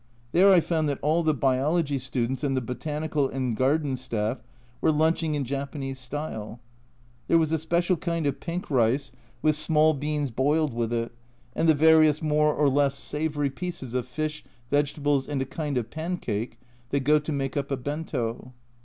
There I found that all the Biology students and the Botanical and garden staff were lunching in Japanese style. There was a special kind of pink rice, with small beans boiled with it, and the various more or less savoury (c 128) I H4 A Journal from Japan pieces of fish, vegetables, and a kind of pancake that go to make up a bento.